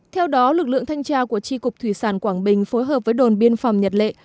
theo đó lực lượng thanh tra của tri cục thủy sản quảng bình phối hợp với đồn biên phòng nhật lệ